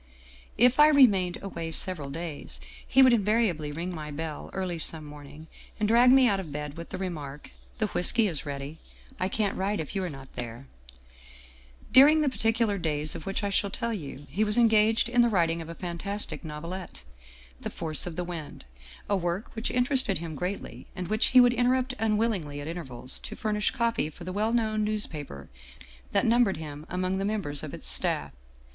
" If I remained away several days, he would invariably ring my bell early some morning, and drag me out of bed with the remark: 'The whisky is ready. I can't write if you are not there/ " During the particular days of which I shall tell you, he was engaged in the writing of a fantastic novelette, ' The Force of the Wind,' a work which interested him greatly, and which he would interrupt unwillingly at intervals to fur nish copy for the well known newspaper that numbered him among the members of its staff.